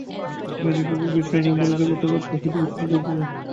জ্ঞানী কেবল বিশ্লেষণ-বলে জগৎটাকে আত্মা হইতে বিচ্ছিন্ন করিতে চান।